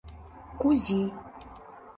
Кузий.